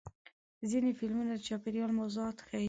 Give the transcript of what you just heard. ځینې فلمونه د چاپېریال موضوعات ښیي.